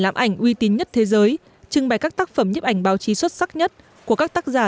làm ảnh uy tín nhất thế giới trưng bày các tác phẩm nhiếp ảnh báo chí xuất sắc nhất của các tác giả